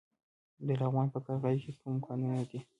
د لغمان په قرغیو کې کوم کانونه دي؟